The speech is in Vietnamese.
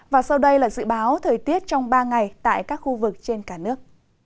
và sau đây là dự báo thời tiết trong ba ngày tại các khu vực trên cả nước